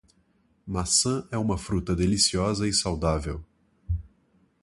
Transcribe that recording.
Maçã é uma fruta deliciosa e saudável.